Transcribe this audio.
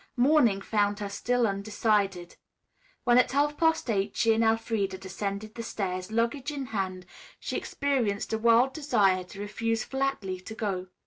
Morning found her still undecided. When at half past eight o'clock she and Elfreda descended the stairs, luggage in hand, she experienced a wild desire to refuse flatly to go.